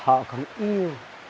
họ không yêu